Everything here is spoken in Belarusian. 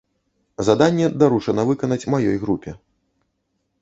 Заданне даручана выканаць маёй групе.